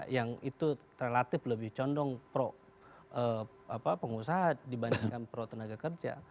yang itu relatif lebih condong pro pengusaha dibandingkan pro tenaga kerja